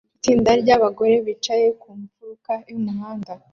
Itsinda ry'abagore bicaye ku mfuruka y'umuhanda